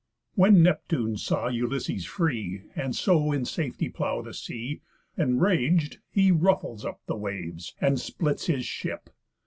When Neptune saw Ulysses free, And so in safety plough the sea, Enrag'd, he ruffles up the waves, And splits his ship.